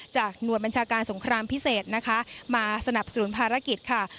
หน่วยบัญชาการสงครามพิเศษนะคะมาสนับสนุนภารกิจค่ะ